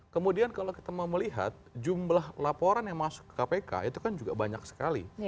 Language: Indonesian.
kemudian kalau kita mau melihat jumlah laporan yang masuk ke kpk itu kan juga banyak sekali